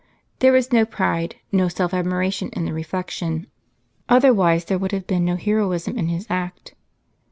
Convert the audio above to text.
There was no pride, no self admiration in the reflec tion ; otherwise there would have been no hei'oism in his act.